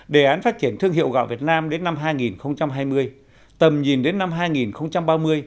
đề án phát triển thương hiệu gạo việt nam đến năm hai nghìn hai mươi tầm nhìn đến năm hai nghìn ba mươi